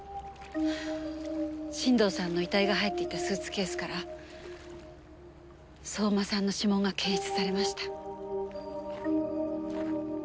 進藤さんの遺体が入っていたスーツケースから相馬さんの指紋が検出されました。